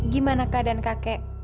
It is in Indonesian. gimana keadaan kakek